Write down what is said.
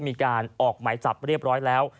มีการออกหมายจับเรียบร้อยแล้ว